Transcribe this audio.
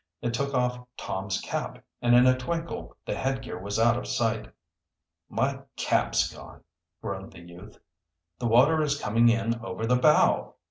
It took off Tom's cap, and in a twinkle the headgear was out of sight. "My cap's gone!" groaned the youth. "The water is coming in over the bow!"